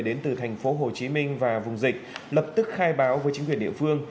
đến từ thành phố hồ chí minh và vùng dịch lập tức khai báo với chính quyền địa phương